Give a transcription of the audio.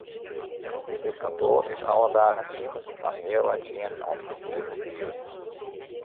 It kantoar is alle dagen iepen fan healwei tsienen oant kertier foar fiven.